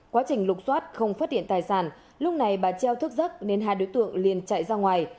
quá trình lục xoát không phát hiện tài sản lúc này bà treo thức giấc nên hai đối tượng liền chạy ra ngoài